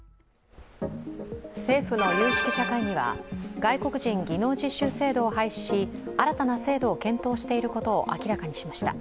政府の有識者会議は外国人技能実習制度を廃止し新たな制度を検討していることを明らかにしました。